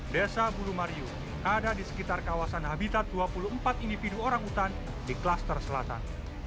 desa bulu mario ada di sekitar kawasan habitat dua puluh empat individu orang hutan di klaster selatan